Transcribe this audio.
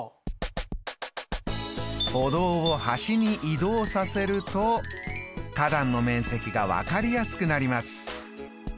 歩道を端に移動させると花壇の面積が分かりやすくなります。